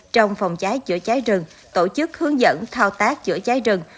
trong phòng cháy chữa cháy rừng tổ chức hướng dẫn thao tác chữa cháy rừng